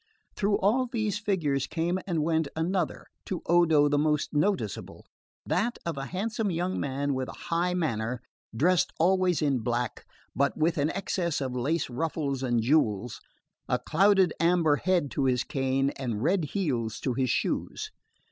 Through all these figures came and went another, to Odo the most noticeable, that of a handsome young man with a high manner, dressed always in black, but with an excess of lace ruffles and jewels, a clouded amber head to his cane, and red heels to his shoes.